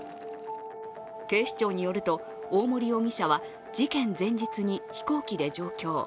警視庁によると大森容疑者は事件前日に飛行機で上京。